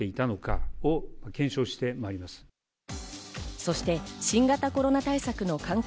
そして新型コロナ対策の関係